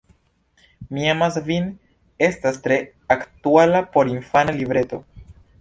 Mi amas vin estas tre aktuala porinfana libreto.